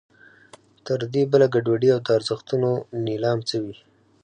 تر دې بله ګډوډي او د ارزښتونو نېلام څه وي.